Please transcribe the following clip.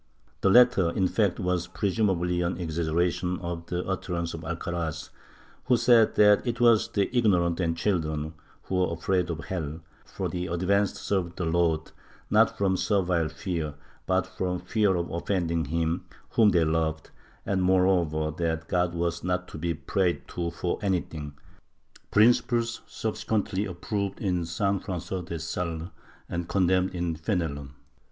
The latter, in fact, was presumably an exag geration of an utterance of Alcaraz, who said that it was the ignorant and children who were afraid of hell, for the advanced served the Lord, not from servile fear but from fear of offending Him whom they loved, and moreover that God was not to be prayed to for anything — principles subsequently approved in S. Frangois de Sales and condemned in Fenelon.